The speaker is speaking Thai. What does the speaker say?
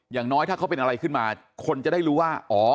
อย่างน้อยถ้าเขาเป็นอะไรขึ้นมาคนจะได้รู้ว่าอ๋อ